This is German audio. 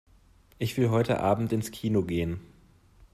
Ich will heute Abend ins Kino gehen.